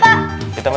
selamat disini pak